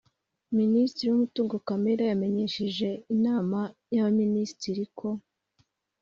Minisitiri w’Umutungo Kamere yamenyesheje Inama y’Abaminisitiri ko